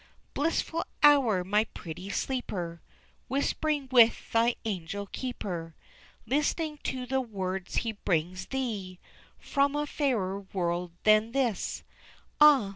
Blissful hour, my pretty sleeper, Whispering with thy angel keeper, List'ning to the words he brings thee From a fairer world than this; Ah!